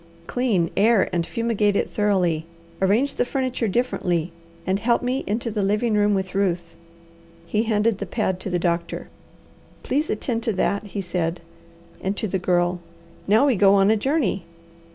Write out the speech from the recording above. Clean, air, and fumigate it thoroughly. Arrange the furniture differently, and help me into the living room with Ruth." He handed the pad to the doctor. "Please attend to that," he said, and to the Girl: "Now we go on a journey.